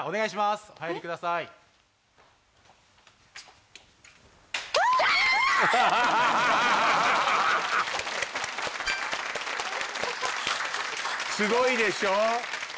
すごいでしょ？